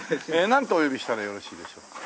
なんとお呼びしたらよろしいでしょうか？